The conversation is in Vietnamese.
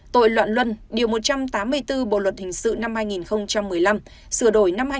một tội loạn luân điều một trăm tám mươi bốn bộ luật hình sự năm hai nghìn một mươi năm